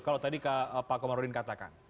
kalau tadi pak komarudin katakan